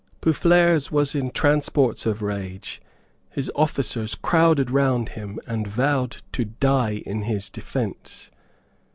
Boufflers was in transports of rage. His officers crowded round him and vowed to die in his defence.